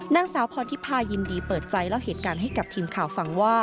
นางสาวพรทิพายินดีเปิดใจเล่าเหตุการณ์ให้กับทีมข่าวฟังว่า